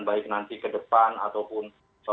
baik nanti ke depan ataupun